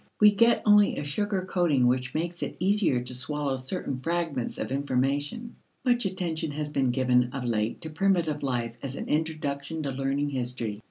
We get only a sugar coating which makes it easier to swallow certain fragments of information. Much attention has been given of late to primitive life as an introduction to learning history.